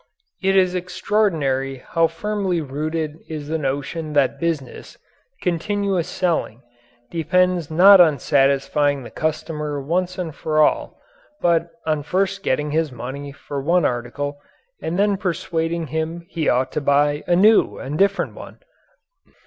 It is extraordinary how firmly rooted is the notion that business continuous selling depends not on satisfying the customer once and for all, but on first getting his money for one article and then persuading him he ought to buy a new and different one.